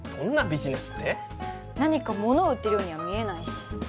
何か物を売ってるようには見えないし。